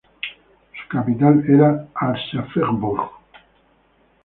Su capital era Aschaffenburg.